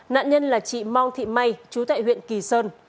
nạn nhân là chị mong thị may chú tại huyện kỳ sơn